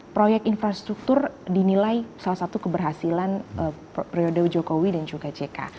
proyek infrastruktur dinilai salah satu keberhasilan periode jokowi dan juga jk